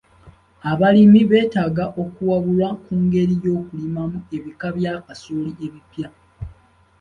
Abalimi beetaaga okuwabulwa ku ngeri y'okulimamu ebika bya kasooli ebipya.